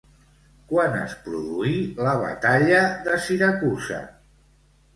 Quan es produí la batalla de Siracusa?